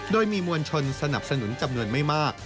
โดยมีมวลชนสนับสนุนจำนวนไม่มาก